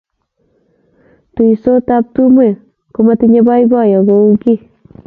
tuisotab tumwek ko matinye boiboiyo kou ya kiu